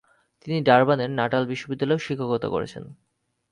তিনি ডারবানের নাটাল বিশ্ববিদ্যালয়েও শিক্ষকতা করেছেন।